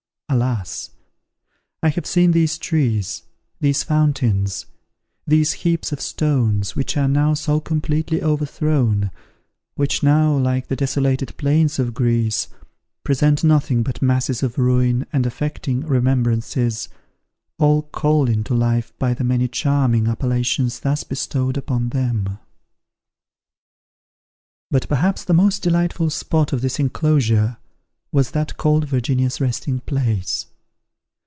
Alas! I have seen these trees, these fountains, these heaps of stones, which are now so completely overthrown, which now, like the desolated plains of Greece, present nothing but masses of ruin and affecting remembrances, all called into life by the many charming appellations thus bestowed upon them! But perhaps the most delightful spot of this enclosure was that called Virginia's resting place.